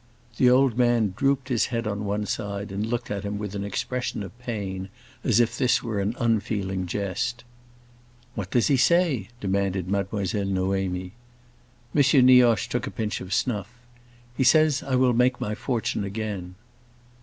The old man drooped his head on one side and looked at him with an expression of pain, as if this were an unfeeling jest. "What does he say?" demanded Mademoiselle Noémie. M. Nioche took a pinch of snuff. "He says I will make my fortune again."